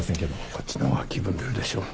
こっちの方が気分出るでしょ。